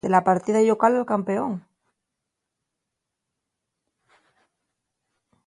De la partida llocal al campeón.